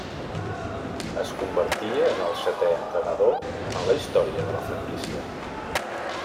Es convertia en el setè entrenador en la història de la franquícia.